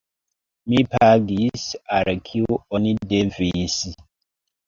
Mi pagis, al kiu oni devis.